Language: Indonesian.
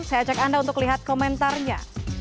saya ajak anda untuk lihat komentarnya